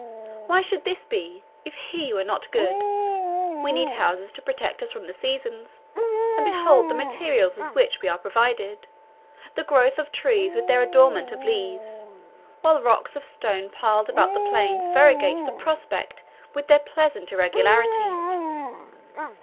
Why should this be, if HE were not good? We need houses to protect us from the seasons, and behold the materials with which we are provided; the growth of trees with their adornment of leaves; while rocks of stone piled above the plains variegate the prospect with their pleasant irregularity.